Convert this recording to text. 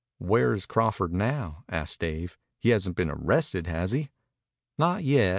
"Where is Crawford now?" asked Dave. "He hasn't been arrested, has he?" "Not yet.